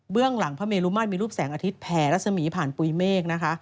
เบื้องหลังพระเมรุมาตรมีรูปแสงอาทิตแผ่รัศมีร์ผ่านปุยเมฆ